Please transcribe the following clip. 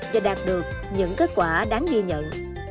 và đạt được những kết quả đáng ghi nhận